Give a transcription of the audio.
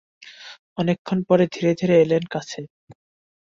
অনেকক্ষণ পরে ধীরে ধীরে এলেন কাছে।